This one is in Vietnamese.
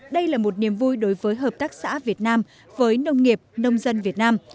đây là một niềm vui đối với hợp tác xã việt nam với nông nghiệp nông dân việt nam